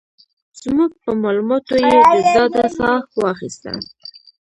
زموږ په مالوماتو یې د ډاډ ساه واخيسته.